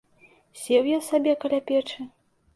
Сеў я сабе каля печы.